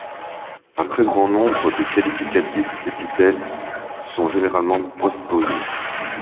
Un très grand nombre de qualificatifs épithètes sont généralement postposés.